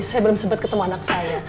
saya belum sempat ketemu anak saya